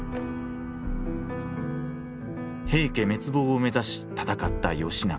平家滅亡を目指し戦った義仲。